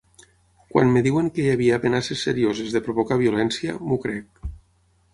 Quan em diuen que hi havia amenaces serioses de provocar violència, m’ho crec.